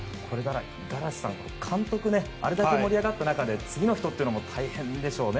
五十嵐さん監督、あれだけ盛り上がった中で次の人というのも大変でしょうね。